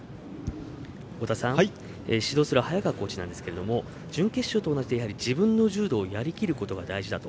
太田さん、指導する早川コーチなんですけれども準決勝と同じ自分の柔道をやりきることが大事だと。